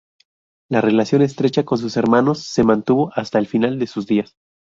La relación estrecha con sus hermanos se mantuvo hasta el final de sus días.